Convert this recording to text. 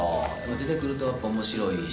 出てくるとやっぱ面白いし。